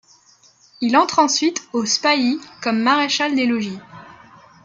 Il entre ensuite aux spahis comme maréchal des logis.